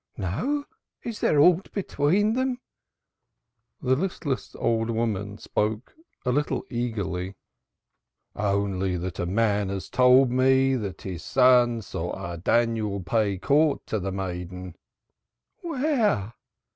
"No, is there aught between them?" The listless old woman spoke a little eagerly. "Only that a man told me that his son saw our Daniel pay court to the maiden." "Where?"